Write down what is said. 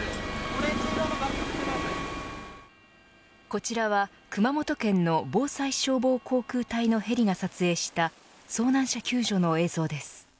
こちらは熊本県の防災消防航空隊のヘリが撮影した遭難者救助の映像です。